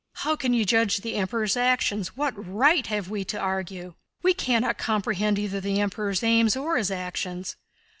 "How can you judge the Emperor's actions? What right have we to argue? We cannot comprehend either the Emperor's aims or his actions!"